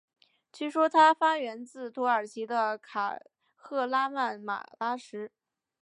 据说它发源自土耳其的卡赫拉曼马拉什。